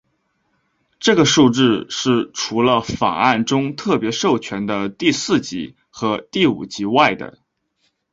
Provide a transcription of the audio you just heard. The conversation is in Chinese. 这个数字是除了法案中特别授权的第四级和第五级外的。